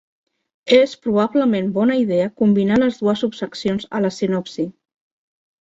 És probablement bona idea combinar les dues subseccions a la sinopsi.